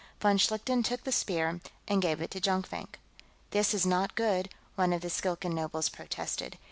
Von Schlichten took the Spear and gave it to Jonkvank. "This is not good!" one of the Skilkan nobles protested.